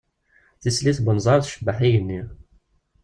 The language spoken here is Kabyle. Tislit n unẓar tcebbeḥ igenni.